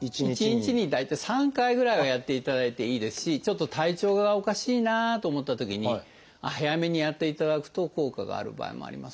１日に大体３回ぐらいはやっていただいていいですしちょっと体調がおかしいなと思ったときに早めにやっていただくと効果がある場合もありますので。